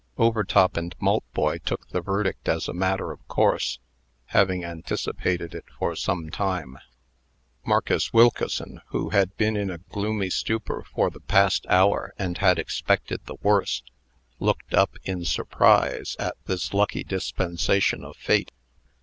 Overtop and Maltboy took the verdict as a matter of course, having anticipated it for some time. Marcus Wilkeson, who had been in a gloomy stupor for the past hour, and had expected the worst, looked up in surprise at this lucky dispensation of Fate.